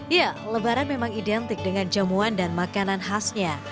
ya lebaran memang identik dengan jamuan dan makanan khasnya